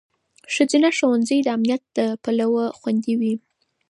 ښځینه ښوونځي د امنیت له پلوه خوندي وي.